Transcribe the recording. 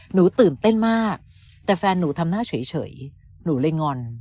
หนูตื่นเต้นมากแต่แฟนหนูทำหน้าเฉยหนูเลยงอน